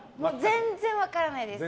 全然分からないです。